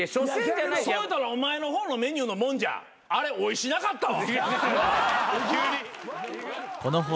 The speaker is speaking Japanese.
そう言うたらお前の方のメニューのもんじゃあれおいしなかったわ。